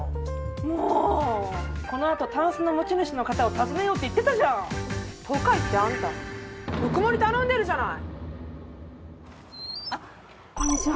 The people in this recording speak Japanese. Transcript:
もうこのあとタンスの持ち主の方を訪ねようって言ってたじゃんとか言ってあんた特盛り頼んでるじゃないこんにちは